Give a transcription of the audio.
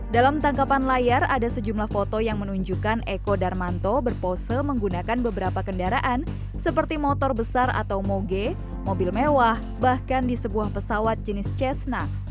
dalam tangkapan layar ada sejumlah foto yang menunjukkan eko darmanto berpose menggunakan beberapa kendaraan seperti motor besar atau moge mobil mewah bahkan di sebuah pesawat jenis cessna